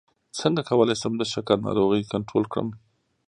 څنګه کولی شم د شکر ناروغي کنټرول کړم